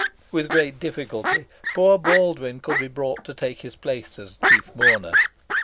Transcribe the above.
With great difficulty poor Baldwyn could be brought to take his place as chief mourner.